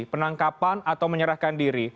penangkapan atau menyerahkan diri